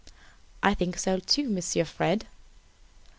"I think so, too, Monsieur Fred."